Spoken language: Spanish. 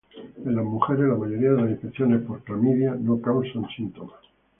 En las mujeres, la mayoría de las infecciones por clamidia no causan síntomas.